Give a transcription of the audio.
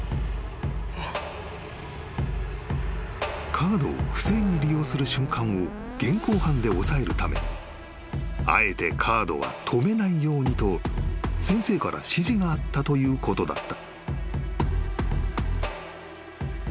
［カードを不正に利用する瞬間を現行犯で押さえるためあえてカードは止めないようにと先生から指示があったということだった］